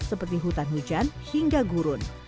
seperti hutan hujan hingga gurun